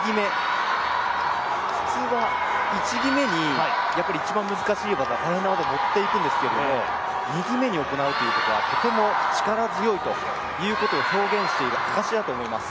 普通は、１技目に一番、難しい技大変な技を持ってくるんですが２技目に行うということはとても力強いというのを表現しているという証だと思います。